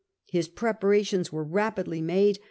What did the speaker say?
His preparations were rapidly made.